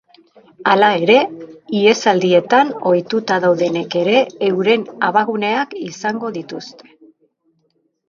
Hala ere, ihesaldietan ohituta daudenek ere euren abaguneak izango dituzte.